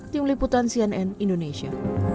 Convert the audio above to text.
tim liputan cnn indonesia